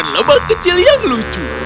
kami menemukan lebah kecil yang lucu